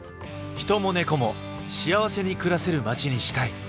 人も猫も幸せに暮らせる街にしたい。